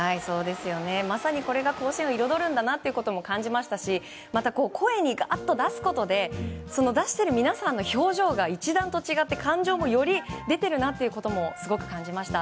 まさに、これが甲子園の彩るんだなということも感じましたし、また声にがーっと出すことで出している皆さんの表情が一段と違って感情もより出ているなということもすごく感じました。